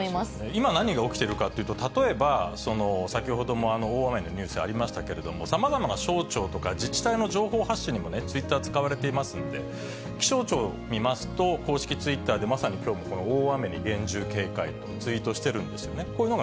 今、何が起きているかというと、例えば、先ほども大雨のニュースありましたけれども、さまざまな省庁とか自治体の情報発信にもツイッター、使われていますので、気象庁を見ますと、公式ツイッターで、まさにきょうこの大雨に厳重警戒とツイートしてるんですよね。